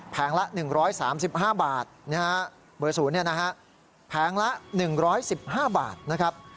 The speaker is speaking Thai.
แพงละ๑๓๕บาทเบอร์ศูนย์นะฮะแพงละ๑๑๕บาทนะครับ